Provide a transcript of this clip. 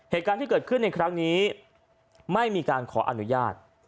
เหตุการณ์ที่เกิดขึ้นในครั้งนี้ไม่มีการขออนุญาต